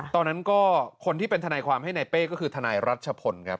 ตอนนั้นก็คนที่เป็นทนายความให้นายเป้ก็คือทนายรัชพลครับ